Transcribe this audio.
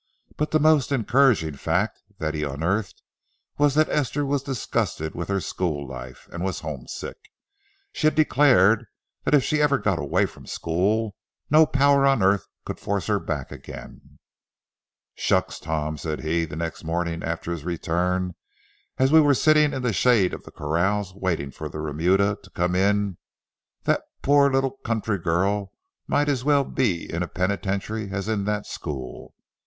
But the most encouraging fact that he unearthed was that Esther was disgusted with her school life and was homesick. She had declared that if she ever got away from school, no power on earth could force her back again. "Shucks, Tom," said he, the next morning after his return, as we were sitting in the shade of the corrals waiting for the remuda to come in, "that poor little country girl might as well be in a penitentiary as in that school.